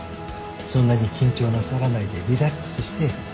そんなに緊張なさらないでリラックスして。